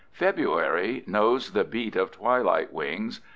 February knows the beat of twilight wings.